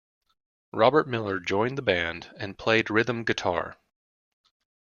Robert Miller joined the band and played rhythm guitar.